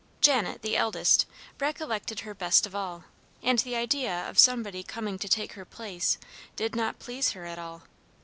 Janet, the eldest, recollected her best of all, and the idea of somebody coming to take her place did not please her at all.